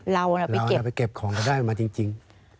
เราไปเก็บของจะได้มาจริง